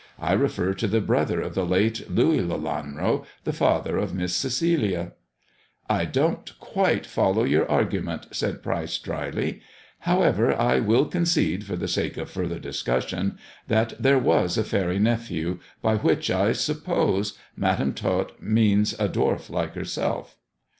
I refer to the brother of the late Louis Lelanro, the father of Miss Celia." " I don't quite follow your argument," said Pryce dryly. " However, I will concede, for the sake of further discus 108 THE dwarf's chamber sion, that there was a faery nephew, by which, I suppose, Madam Tot means a dwarf like herself.